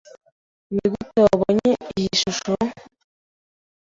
Nigute wabonye iyi shusho?